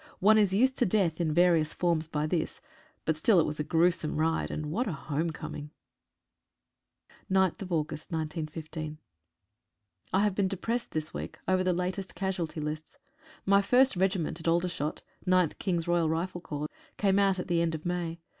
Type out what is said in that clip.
One is used to death in various forms by this — but still it was a gruesome ride, and what a homecoming. 3 HAVE been depressed this week over the latest casualty lists. My first regiment (at Aldershot) — 9th King's Royal Rifle Corps — came out at the end of May.